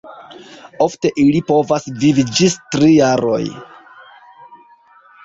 Ofte ili povas vivi ĝis tri jaroj.